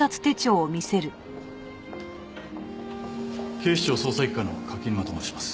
警視庁捜査一課の柿沼と申します。